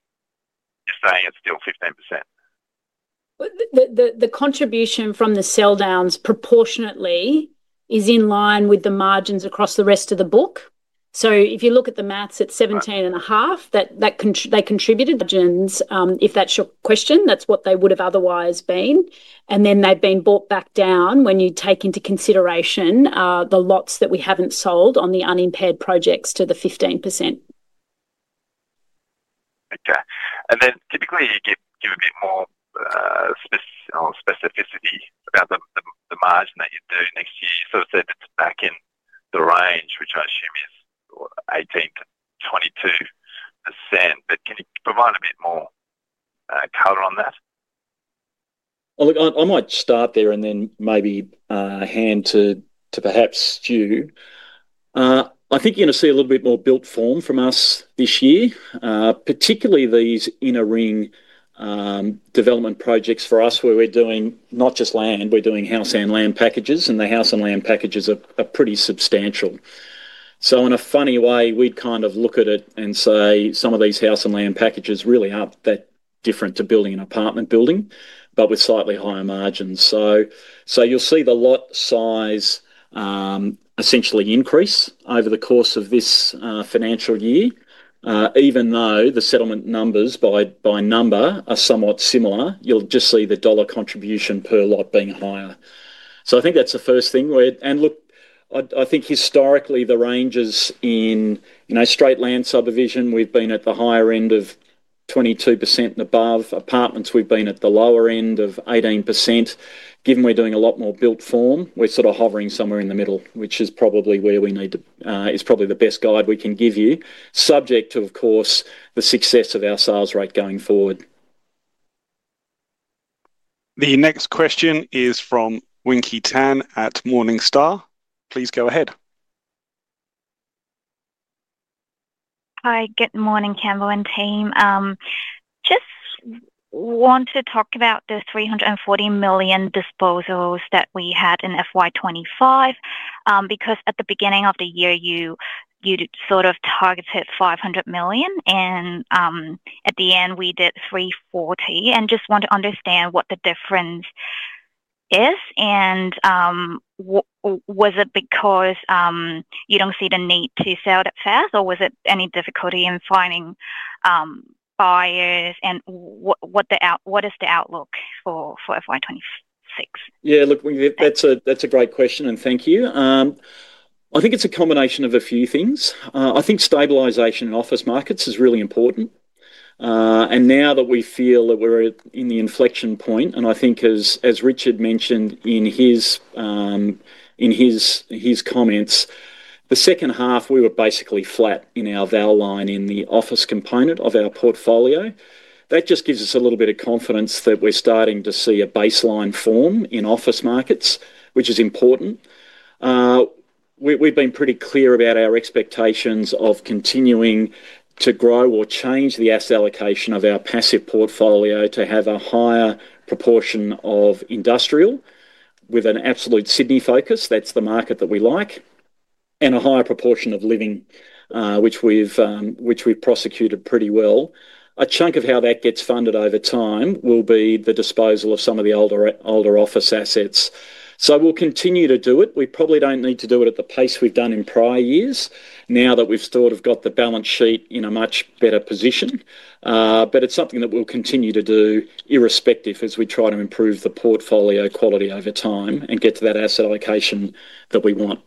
you're saying it's still 15%? The contribution from the sell downs proportionately is in line with the margins across the rest of the book. If you look at the maths, it's 17.5% that they contributed. Margins, if that's your question, that's what they would have otherwise been. They've been brought back down when you take into consideration the lots that we haven't sold on the unimpaired projects to the 15%. Okay. Typically, you give a bit more specificity about the margin that you do next year. You sort of said it's back in the range, which I assume is 18%-22%. Can you provide a bit more color on that? I might start there and then maybe hand to perhaps Stu. I think you're going to see a little bit more built form from us this year, particularly these inner ring development projects for us where we're doing not just land, we're doing house and land packages, and the house and land packages are pretty substantial. In a funny way, we'd kind of look at it and say some of these house and land packages really aren't that different to building an apartment building, but with slightly higher margins. You'll see the lot size essentially increase over the course of this financial year, even though the settlement numbers by number are somewhat similar. You'll just see the dollar contribution per lot being higher. I think that's the first thing. I think historically the ranges in straight land subdivision, we've been at the higher end of 22% and above. Apartments, we've been at the lower end of 18%. Given we're doing a lot more built form, we're sort of hovering somewhere in the middle, which is probably where we need to, is probably the best guide we can give you, subject to, of course, the success of our sales rate going forward. The next question is from Winky Tan at Morningstar. Please go ahead. Hi, good morning, Campbell and team. Just want to talk about the $340 million disposals that we had in FY2025 because at the beginning of the year, you sort of targeted $500 million, and at the end, we did $340 million. I just want to understand what the difference is. Was it because you don't see the need to sell it at first, or was it any difficulty in finding buyers? What is the outlook for FY2026? Yeah, look, that's a great question, and thank you. I think it's a combination of a few things. I think stabilisation in office markets is really important. Now that we feel that we're in the inflection point, and I think as Richard mentioned in his comments, the second half, we were basically flat in our value line in the office component of our portfolio. That just gives us a little bit of confidence that we're starting to see a baseline form in office markets, which is important. We've been pretty clear about our expectations of continuing to grow or change the asset allocation of our passive portfolio to have a higher proportion of industrial with an absolute Sydney focus. That's the market that we like, and a higher proportion of living, which we've prosecuted pretty well. A chunk of how that gets funded over time will be the disposal of some of the older office assets. We'll continue to do it. We probably don't need to do it at the pace we've done in prior years, now that we've sort of got the balance sheet in a much better position. It's something that we'll continue to do, irrespective as we try to improve the portfolio quality over time and get to that asset allocation that we want.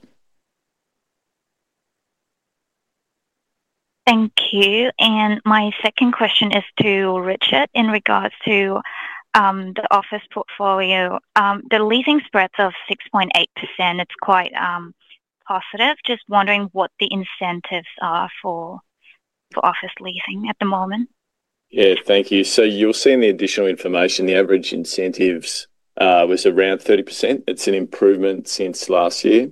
Thank you. My second question is to Richard in regards to the office portfolio. The leasing spreads are 6.8%. It's quite positive. Just wondering what the incentives are for office leasing at the moment. Thank you. You'll see in the additional information, the average incentives was around 30%. It's an improvement since last year.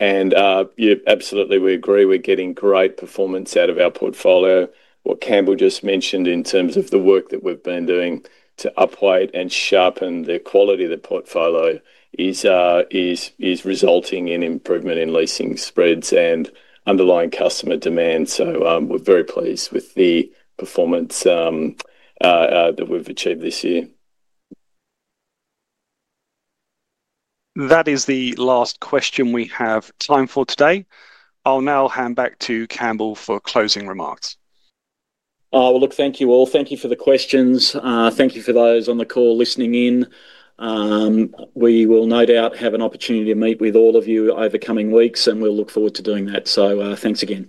We agree. We're getting great performance out of our portfolio. What Campbell just mentioned in terms of the work that we've been doing to upweight and sharpen the quality of the portfolio is resulting in improvement in leasing spreads and underlying customer demand. We're very pleased with the performance that we've achieved this year. That is the last question we have time for today. I'll now hand back to Campbell for closing remarks. Thank you all. Thank you for the questions. Thank you for those on the call listening in. We will no doubt have an opportunity to meet with all of you over the coming weeks, and we look forward to doing that. Thanks again.